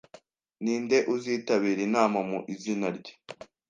Ninde uzitabira inama mu izina rye?